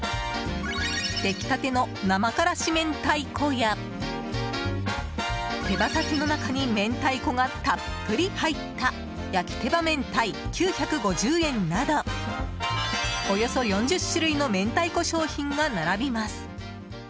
できたての生からし明太子や手羽先の中に明太子がたっぷり入った焼き手羽めんたい、９５０円などおよそ４０種類の明太子商品が並びます。